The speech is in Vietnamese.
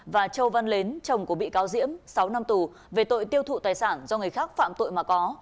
và châu văn mến chồng của bị cáo diễm sáu năm tù về tội tiêu thụ tài sản do người khác phạm tội mà có